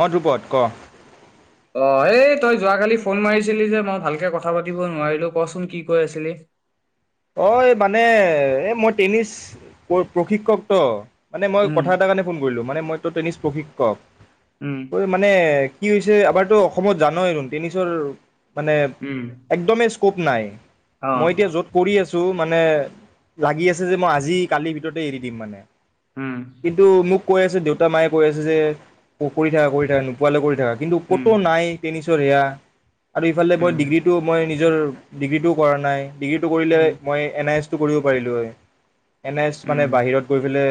অ', ধ্ৰুপত ক অ', এই, তই যোৱাকালি ফোন মাৰিছিলি যে। মই ভালকৈ কথা পাতিব নোৱাৰিলোঁ। কচোন, কি কৈ আছিলি? অ', এই, মানে, এ, মই টেনিছ প্ৰশিক্ষক ত' মানে, মই উম কথা এটা কাৰণে ফোন কৰিলোঁ মানে, মইতো টেনিছ প্ৰশিক্ষক উম কৈ মানে কি হৈছে, আমাৰতো অসমত জানইচোন, টেনিছৰ মানে, উম একদমেই কুব নাই অ মই এতিয়া য'ত শিকি আছোঁ। মানে, লাগি আছে যে মই আজি-কালিৰ ভিতৰতে এৰি দিম, মানে উম কিন্তু, মোক কৈ আছে। দেউতা-মায়ে কৈ আছে যে, কৰি থাকা, কৰি থাকা। নোপোৱালৈ কৰি থাকা কিন্তু উম ক'তো নাই। টেনিছ ছৰ, সেইয়া আৰু ইফালে মই উম ডিগ্ৰীটোৱো মই নিজ নিজৰ ডিগ্ৰী টোও কৰা নাই। ডিগ্ৰী কৰিলে উম মই এন আই এছ কৰিব পাৰিলোঁ হয়। এন আই এছ মানে উম বাহিৰত গৈ পেলাই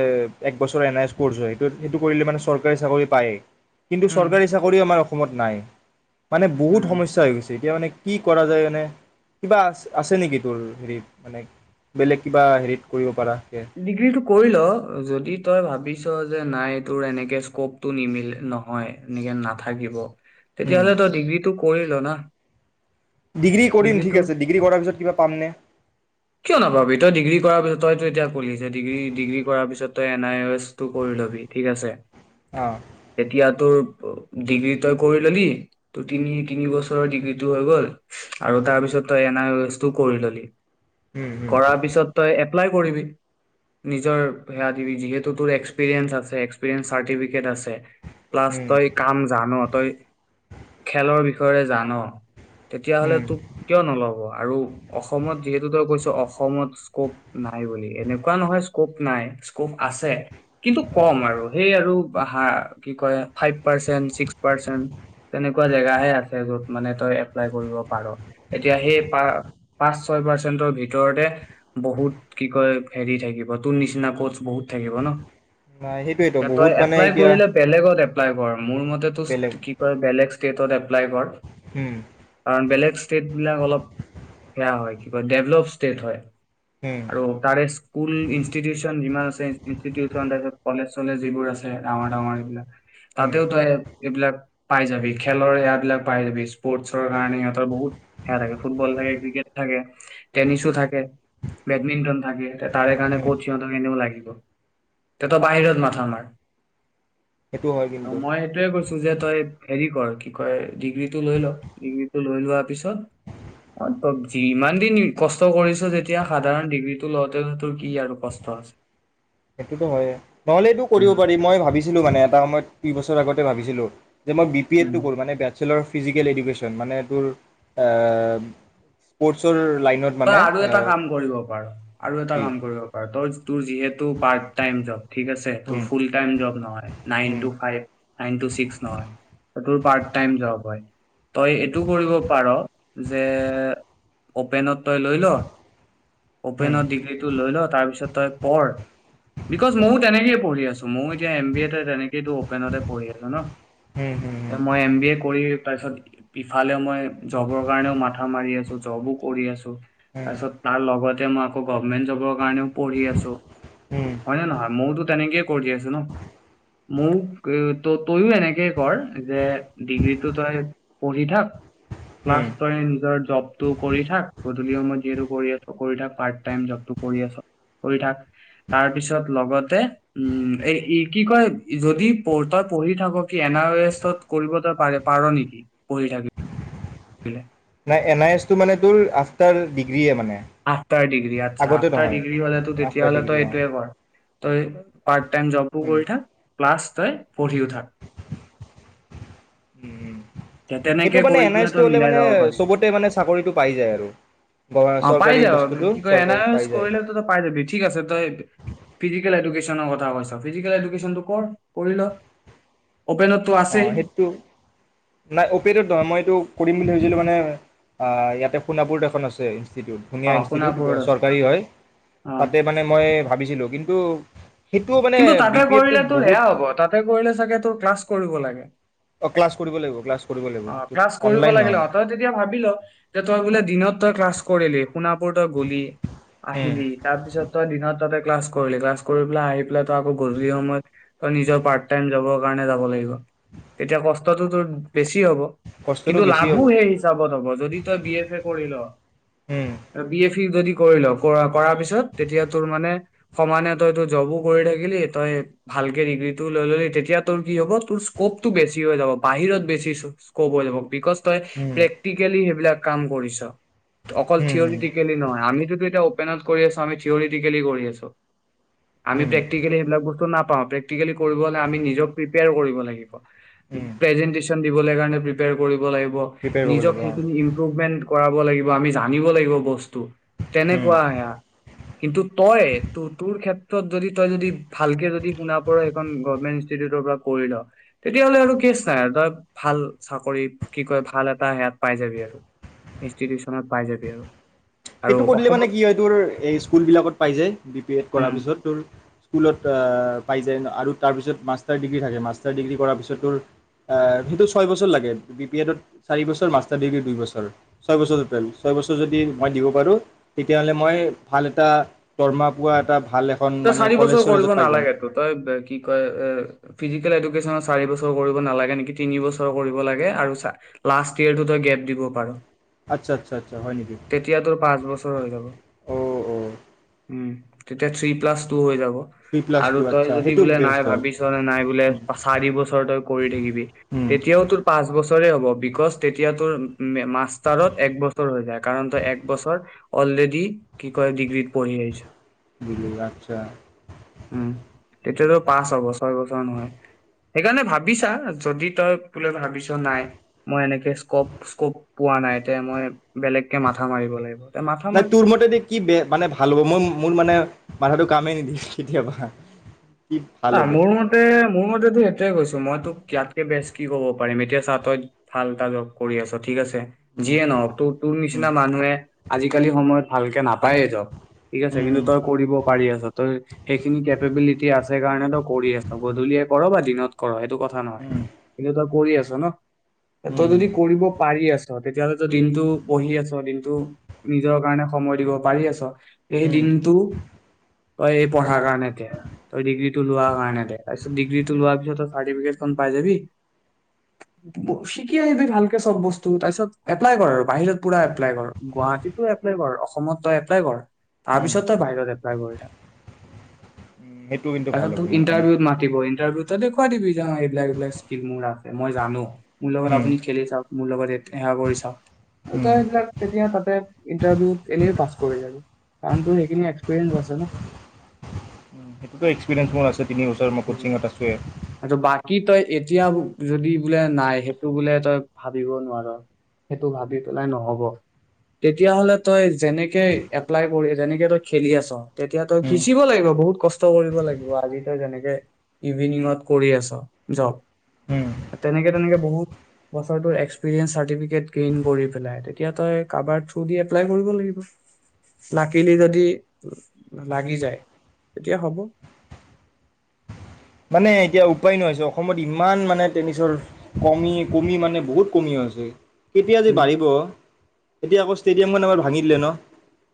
এক বছৰৰ এন আই এছ কৰ্ছ হয়। সেটো-সেইটো কৰিলে মানে চৰকাৰী চাকৰি পায়েই। কিন্তু উম চৰকাৰী চাকৰি আমাৰ অস অসমত নাই। মানে বহুত উম সমস্যা হৈ গৈছ এতিয়া মানে কি কৰা যায় মানে, কিবা আছে নেকি? তোৰ হেৰি মানে, বেলেগ কিবা হেৰিত কৰিব পাৰা? ডিগ্ৰীটো কৰি ল! যদি তই ভাবিছ ত' যে নাই, তোৰ এনেকে স্কপটো নিমিলে, নহয় এনেকে নাথাকিব। উম। তেতিয়াহ'লে তই ডিগ্ৰীটো পঢ়ি ল' না! ডিগ্ৰী কৰিম ডিগ্ৰীটো ঠিক আছে ডিগ্ৰী কৰাৰ পিছত কিবা পামনে? কিয় নাভাবি, তই ডিগ্ৰী কৰাৰ পিছত তইতো এতিয়া কলি যে ডি ডিগ্ৰী কৰাৰ পিছত তই এন আই এছটো কৰি লবি ঠিক আছে অ এতিয়াতো ডিগ্ৰী তই কৰি ল'লি, ত তিনি তিনি বছৰৰ ডিগ্ৰীটো হৈ গ'ল, আৰু তাৰ পিছত তই এন আৰ এছটো কৰি ললি উম উম কৰাৰ পিছত তই এ এপ্লাই কৰিবি। নিজৰ এয়া দিবি, যিহেতু তুৰ এক্সপ্ৰিয়েনছ আছে। এক্সপ্ৰিয়েনছ চাৰ্টিফিকেট আছে প্লাছ উম তই কাম জান তই খেলৰ বি- ৰে জান তেতিয়াহলে উম তোক কিয় নল'ব, আৰু অসমত ত‌ই কৈছ অসমত স্কপ নাই বুলি, এনেকুৱা নহয় স্কপ নাই, স্কপ আছে, কিন্তু কম আৰু সেই আৰু কি কয় ফাইভ পাৰ্চেন চিক্স পাৰ্চেন তেনেকুৱা জেগাহে আছে য'ত মানে তই এপ্লাই কৰিব পাৰ। এতিয়া সেই পা- পাৰ্চেন্টৰ ভিতৰতে বহুত কি কয় হেৰি থাকিব তোৰ নিচিনা পস্ট বহুত থাকিব ন নাই সেইটোৱেতো তই বহুত মানে এপ্লাই এতিয়া কৰিলে বেলেগত এ প্লাই অ- মোৰ মতেতো বেলেগ কি কয় বেলেগ ষ্টেটত এপ্লাই কৰ। উম কাৰণ বেলেগ ষ্টেট বিলাক অলপ সেয়া হয় কিবা ডেভল ষ্টেট হয় উম আৰু তাৰে স্কুল ইনষ্টিটিউচন যিমান আছে ইনষ্টিটিউশন কলেজ যিবোৰ আছে ডাঙৰ ডাঙৰ এইবিলাক উম তাতেও ত‌ই এইবিলাক পাই যাবি খেলৰ এয় বিলাক পাই যাবি স্পৰ্টছৰ কাৰণে সিহঁতৰ বহুত সেয়া থাকে, ফুটবল থাকে, ক্ৰিকেট থাকে টেনিছো থাকে বেডমিন্টন থাকে তে তাৰে কাৰণে উম কস্ট হিহঁত কেনিব লাগে তেঁত বাহিৰত মাথা মাৰ সেইটো হয় অ কিন্তু মই সেইটোয়ে কৈছো যে তই হেৰি কৰ কি কয় ডিগ্ৰীটো লৈ ল, ডিগ্ৰীটো লৈ লোৱাৰ পিছত অ ত যিমান দিন কষ্ট কৰিছ যেতিয়া সাধাৰণ ডিগ্ৰী টো লওঁতে তোৰ কি আৰু কষ্ট আছে সেইটোতো হয়ে নহলে এইটো কৰিব পাৰি মই ভাবিছিলো মানে এটা সময়ত দুই বছৰ আগতে ভাবিছিলোঁ যে মই বি পি এড টো কৰো মান বে ফিজিকেল এডোকেছন, মানে তোৰ পৰ্ছৰ তই আৰু এটা কাম কৰিব পাৰ আৰু এটা কি কাম কৰিব পাৰ তই তোৰ যিহেতু উম, part time um, job nine to six নহয় সেইটো পাৰ্ট টাইম জব হয়। তই এইটো কৰিব পাৰ যে অপেনত তই লৈ ল! উম, উম, অপেনত ডিগ্ৰীটো লৈ ল, তাৰ পিছত তই পঢ়। বিকজ, ময়ো তেনেকেই পঢ়ি আছোঁ। ময়ো এতিয়া এমবিএ তেনেকে সেইটো অপেনতে পঢ়ি আছোঁ ন'। উম, উম, মই এমবিএ কৰি তাৰপিছত ইফালেও মই জবৰ কাৰণেও মাথা মাৰি আছোঁ। জবো কৰি আছোঁ। উম, তাৰপিছত, তাৰ লগ [unintelligible] মই আকৌ [unintelligible] গভৰ্ণমেণ্ট জবৰ কাৰণেও পঢ়ি আছোঁ। উম, হয় নে নহয়, ময়োতো তেনেকেই কৰি আছোঁ ন'। মোক তই-তয়ো এনেকে কৰ যে, ডিগ্ৰীটো তই পঢ়ি থাক উম। প্লাছ, তই নিজৰ জবটো কৰি থাক। গধূলিও মই যিহেতু কৰি আছোঁ কৰি থাক। পাৰ্ট-টাইম জবটো কৰি আছ। কৰি থাক। তাৰপিছত লগতে, উম, এ, কি কয়, যদি তই পঢ়ি থাক, কি, এনআৰএছত কৰিব তই পাৰে, পাৰ নেকি, পঢ়ি থাকি কিলে এনআইএছটো, মানে, তোৰ আফটাৰ ডিগ্ৰীয়ে, মানে‌ আফটাৰ ডিগ্ৰী আচ্ছা। আফটাৰ ডিগ্ৰী হ'লেতো আফটাৰ তেতিয়াহ'লে ডিগ্ৰী তই অ এইটোৱেই কৰ। তই পাৰ্ট-টাইম জবো উম। কৰি থাক। প্লাছ তই পঢ়িও থাক উম, উম। তে সেইটো, তেনেকে মানে, কৰি পেলাই এনআইএছটো তই হ'লে, মিলাই মানে, যাব পাৰিবি চবতে, মানে, চাকৰিটো পাই যায় আৰু গ- অ', পাই চৰকাৰী যাব। বস্তুটো কি কয়, চৰকাৰী এনআইএছ পাই যায় কৰিলে তইতো পাই যাবি। ঠিক আছে। তই ফিজিকেল এডুকেচ [unintelligible] কৈছ, ফিজিকেল এডুকেছনটো কৰ, কৰি ল! অপেনতটো আছেই অ', সেইটো। নাই, অপেটোত নহয় মই এইটো কৰিম বুলি ভাবিছিলোঁ মানে, অ', ইয়াতে সোণাপুৰত এখন আছে ইনচ ইনষ্টিটিউট। অ ধুনীয়া ইনষ্টিটিউট গ, সোণাপুৰত আছে চৰকাৰী হয়। অ তাতে মানে মই ভাবিছিলোঁ, কিন্তু সেইটোও মানে কিন্তু বি তাতে পি এডটোত কৰিলে তোৰ সেয়া বহুত হ'ব, তাতে কৰিলে চাগে তোৰ ক্লাছ কৰিব লাগে। অ', ক্লাছ কৰিব লাগিব। ক্লাছ কৰিব লাগিব অ', সেইটো ক্লাছ কৰিব অনলাইন লাগিল নহয়। অ। তই তেতিয়া ভাৱি ল' যে তই বোলে, দিনত তই ক্লাছ কৰিলি, সোণাপুৰ তই গ'লি, উম। আহিলি। তাৰপিছত তই দিনত তাতে ক্লাছ কৰিলি। ক্লাছ কৰি পেলাই আহি পেলাই তই আকৌ গধূলি সময়ত, তই নিজৰ পাৰ্ট টাইম জবৰ কাৰণে যাব লাগিব। তেতিয়া কষ্টটো তোৰ বেছি হ'ব। কষ্টটো কিন্তু বেছি লাভো হ'ব সেই হিচাপত হ'ব, যদি তই বি এফ এ কৰি ল'। উম বি এ ফিউ যদি কৰি ল'। কৰা-কৰাৰ পিছত তেতিয়া তোৰ মানে সমানেই তই তোৰ জবো কৰি থাকিলি, তই ভালকে ডিগ্ৰীটো লৈ ল'লি। তেতিয়া তোৰ কি হ'ব, তোৰ স্কপটো বেছি হৈ যাব, বাহিৰত বেছি দিছ স্কপ হৈ যাব। বিক'জ উম প্ৰেক্টিকেলি সেইবিলাক কাম কৰিছ অকল উম থিয়'ৰিটিকেলি নহয়, আমিতো তোৰ এতিয়া অ'পেনত কৰি আছ, আমি থিয়'ৰিটিকেলি কৰি আছোঁ। আমি উম প্ৰে্টিকেলি সেইবিলাক বস্তু অহ প্ৰেক্টিকেলী কৰিব হলে আমি নিজক প্ৰিপেয়াৰ কৰিব লাগিব। উম প্ৰেজেণ্টেছন দিবলে কাৰণে প্ৰিপেয়াৰ কৰিব লাগিব প্ৰিপেয়াৰ কৰিব নিজক লাগিব অঁ ইমপ্ৰুভমেণ্ট কৰাব লাগিব আমি জানিব লাগিব বস্তু উম তেনেকুৱা সেয়া কিন্তু তই ত তোৰ ক্ষেত্ৰত যদি তই যদি ভালকে যদি শুনা পঢ়া এখন গভমেন্ট ইনষ্টিটিউটৰ পৰা কৰি ল তেতিয়াহ'লে আৰু কেছ নাই আৰু তই ভাল চাকৰিত কি কয় ভাল এটা সেয়া পাই যাবি আৰু ইনষ্টিটিউচনত পাই যাবি আৰু আৰু সেইটো কিলে মানে অসমত কি হয় তোৰ এই স্কুল বিলাকত পাই যায় বি এড কৰাৰ উম পিছত তোৰ স্কুলত পাই যায় আৰু তাৰপিছত মাষ্টাৰ ডিগ্ৰী থাকে মাষ্টাৰ ডিগ্ৰী কৰাৰ পিছতোৰ সেইটো ছয় বছৰ লাগে বি পি এডত চাৰিবছৰ মাষ্টাৰ ডিগ্ৰী দুই বছৰ ছয় বছৰপেল ছয় বছৰ যদি মই দিব পাৰোঁ তেতিয়াহ'লে মই ভাল এটা দৰমা পোৱা এটা ভাল এখন তই মানে চাৰি কলেজ বছৰ কৰিব চলেজত পাই যাম নালাগটো তই কি কয় ফুচিকেল চাৰি বছৰ কৰিব নেলাগে নেকি তিনি বছৰ কৰিব লাগে আৰু লাষ্ট ইয়ই গেপ দিব পাৰ। আচ্ছ আচ্ছা আচ্চা তেতিয়া তোৰ পাঁচ বছৰ হৈ যাব। অঁ অঁ উম তেতিয়া থ্ৰী প্লাছ টু হৈ যাব। থ্ৰী প্লাছ আৰু টু তই আচ্ছা যদি সেইটো বোলে নাই বেষ্ট হয়। ভাবিছ নে নাই বোলে উম। চাৰি বছৰ তই কৰি থাকিবি উম, তেতিয়াও তোৰ পাঁচ বছৰ হ বিকজ তেতিয়া তোৰ মাষ্টাৰত এক বছৰ হৈ যায়। কাৰণ ত এক বছৰ অলৰেডি কি কৰে ডিগ্ৰী বুলিলি আচ্ছা। উম তেতিয়াতো পাচ হব ছয় বছৰ নহয় সেইকাৰণে ভাবিছা যদি তই বোলে ভাবিছ নাই মই এনেকে স্কপ স্কপ পোৱা নাই এতিয়া মই বেলেগকে মাথা মাৰিব লাগিব। তে মাথা নাই মাৰ তোৰ মতে দি কি বেয়া মানে ভাল হ'ব মই মোৰ মানে মাথাটো কামেই নিদিয়ে কেতিয়াবা কি ভাল অ হ'ব? মোৰ মতে মোৰ মতেতো সেইটোৱে কৈছো মই তোক ইয়াতকে বেছ কি ক'ব পাৰিম এতিয়া চা তই ভাল এটা জব কৰি আছ ঠিক আছে উম। যিয়ে নহওক তোৰ তোৰ উম, নিচিনা মানুহে আজিকালি সময়ত ভালকে নাপায়েই যব। ঠিক আছে কিন্তু উম, তই কৰিব পাৰি আছ সেইখিনি কেপবিলিটি আছে সেইকাৰণেতটো কৰি আছ গধূলিয়ে কৰ বা দিনত কৰ কথা নহয় উম, কিন্তু তই কৰি আছ ন উম, উম, তই যদি কৰিব পাৰি আছ তেতিয়াহলে ত দিনটো বহি আছ দিনটো নিজৰ কাৰণে সময় দিব পাৰি আছ সেই উম। উম, দিনটো এই পঢ়াৰ কাৰনটে এতিয়া তই ডিগ্ৰী টো লোৱা কাৰণে ডিগ্ৰী টো লোৱাৰ পিছত চাৰ্টিফিকেটখন পাই যাবি তাৰ পাছত শিকি আহিবি তাৰ পিছত এপ্লাই কৰ পুৰা এপ্লাই কৰ গুৱাহাটীটো এপ্লাই কৰ তাৰ উম পিছত তই বাহিৰত এপ্লাই কৰ সেইটো কিন্তু ভাল হ'ব তাৰপিছতোক মোৰ কাৰণে। ইটাৰভিউত মাতি ইটাৰভিউত ত দেখুৱাই দিবি যা এইবিলাক এইবিলাক স্কিল মোৰ আছে মই জানো মোৰ লগ উম, আপনি খেলি চাওক মোৰ লগত সেৱা কৰি উম, চাবকতিয়া তাতে ইাৰউ এনে পাছোৰ সখিন এক্সিৰিয়ে ন সেইটো একসপিৰিঞ্চ মোৰ আছে তিনি ওচৰ মই কোচিং এটা আছোঁোৱে কি তই এতিয়া যদি বোলে নাই সেইটো বোলে তই ভাবিব নোৱাৰ সেইটো ভাবি পেলাই নহব তেতিয়াহলে তই যেনেকে এপ্লাই কৰি যেনেকে তই খেলি আছ তেতিয়া তই উম, সিঁচিব লাগিব বহুত কষ্ট কৰিব লাগিব আজি তই যেনেক উম, [unintelligible] মানে এতিয়া উপায় নহ হৈছে অসমত ইমান মানে টেনিছৰ কমি কমি মানে বহুত কমি হৈছে কেতিয়া যে উম বাঢ়িব এতিয়া আকৌ ষ্টেডিয়ামখন আমাৰ ভাঙি দিলে ন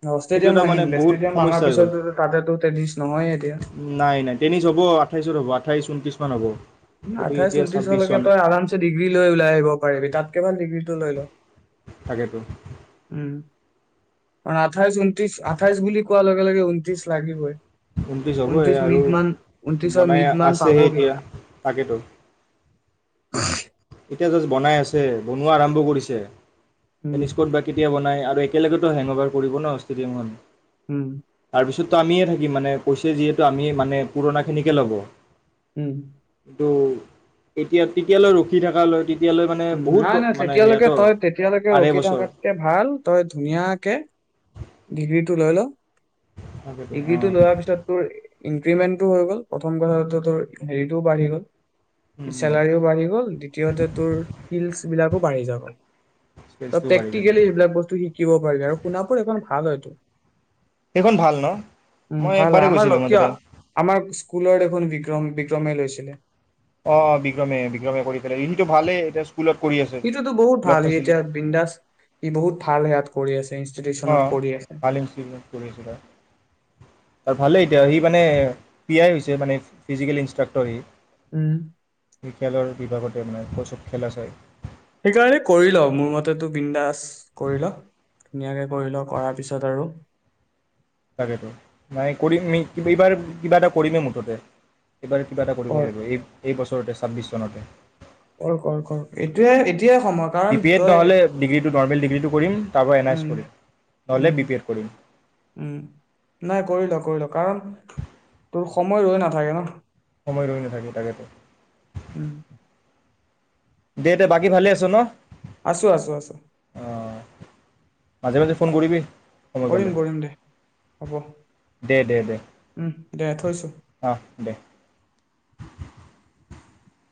অ সেইটো ষ্টেডিয়াম এটা ভাঙি মানে দিলে বহুত ষ্টেডিয়াম ভাঙাৰ সমস্যা হৈ গ'ল পিছতো তাতে টেনিছ নহয়ে এতিয়া নাই নাই টেনিছ হ'ব আঠাইছত হ'বঠাইছ উন্ত্ৰিছ মান হ'ব গতিকে আঠাইছ এতিয়া ছাব্বিছ ঊনত্ৰিশলৈকে চন তই আৰামছে ডিগ্ৰী লৈ ল আহিব পিবি তাত কেবল ডিগ্ৰী লৈ ল তাকে তো মানে আঠাইশ ঊনত্ৰিশ আঠাইশ বুলি কোৱাৰ লগে লগে ঊনত্ৰিশ লাগিবই ঊনত্ৰিছ হ'বহ ঊনত্ৰিশ আৰু মিড মান ঊনত্ৰিশৰ বনাই মিড মান আছেহে পাবগে এতিয়া তাকেত [unintelligible] এতিয়া জাষ্ট বনাই আছে বনোৱা আৰম্ভ কৰিছে উম স্কট বা কেতিয়া বনাই আৰু একেলগেতো হেংবাৰ কৰিব ন ষ্টেডিয়াম হম আমিয়ে থাকিম মানে কৈছে যিহেতু আমি মানে পুৰণা খিনিকে ল'ব উম ত এতিয়া তেতিয়ালৈ ৰখি থকা লৈ নাই নাই তেতিয়ালৈকে তই তেতিয়ালৈকে আঢ়ৈ ৰখি বছৰ থকাতকে ভাল তই ধুনীয়াকে ডিগ্ৰী টো লৈ ল তাকেতো ডিগ্ৰীটো অ' লোৱাৰ পিছত তোৰ টিমেণ্টো হৈ গ'ল প্ৰথম কথাটো তোৰ হেৰিটোও বাঢ়ি উম, গ'ল উম, চেলাৰিও বাঢ়ি গ'ল দ্বিতীয়তে তোৰ শিলচ বিলাকো বাঢ়ি যাও ত স্পেচটো বাঢ়ি যাব। প্ৰেক্টিকেলি সবিলাক বস্তু শিকিব পাৰি আৰু শুনাবখন আ এইটো সেইখন ভাল ন? উম মই ভাল হয় একবাৰেই আমাৰ গৈছিলোঁ মই লক্ষ তাতে। আমাৰ স্কুলত দেখোন বি বিক্ৰম বিক্ৰমে লৈছিলে অ বিক্ৰমে বিক্ৰমে কৰি ইটো ভালেই এতি সিটোতো বহুত ভাল সি এতিয়া বৃন্দাস সি বহুত ভাল হে ইয়াত কৰি আছো অ ভাল কৰিছিলো আৰু ভালেই তি সি মানে পিয়ই হৈছে মানে ফিজিকেল ইনষ্ট্ৰাক্টৰ সি উম বিয়ালৰ বিভাগতে মানে প্ৰচব খেলা চায় সেইকাৰণে কৰি ল মোৰ মতেতো বিন্দাস কৰি ল ধুনীয়াকে কৰি ল কৰাৰ পিছত আৰু তাকেতো মান কৰিম এইবাৰ কিবা এটা কৰিমে মুঠতে এইবাৰ কিবা এটা কৰিবই কৰ লাগিব এই এই বছৰতে ছাব্বিছ চনতে অ কৰ কৰ এইটোয়ে এ এতিয়াই সময় বি কাৰণ পি এড তই নহ'লে ডিগ্ৰীটো নৰ্মেল ডিগ্ৰীটো কৰিম তাৰপৰা এন আই উ এছ কৰিম নহ'লে বি পি এড কৰিম নাই কৰিল কৰিল কাৰণোৰ সময় ৰৈ নাথাকে ন সময় লৈ নাথাকি তাকেতো উম দে দে বাকী ভালে আছ ন আছো আছো আছো অঁ মাজে মাজে ফোন কৰিবি সময় কৰিম পালে কৰিম দে হ'ব দে দে দে উম দে থৈছো অঁ দে